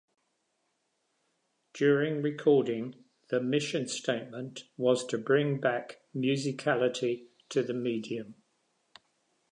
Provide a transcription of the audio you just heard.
During recording, the mission statement was to bring back musicality to the medium.